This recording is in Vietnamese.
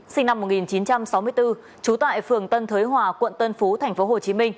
sinh năm một nghìn chín trăm sáu mươi bốn trú tại phường tân thới hòa quận tân phú tp hcm